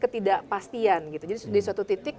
tidakpastian jadi di suatu titik